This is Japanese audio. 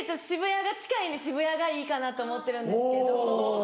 渋谷が近いんで渋谷がいいかなと思ってるんですけど。